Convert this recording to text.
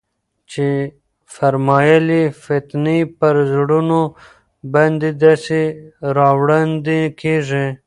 چي فرمايل ئې: فتنې پر زړونو باندي داسي راوړاندي كېږي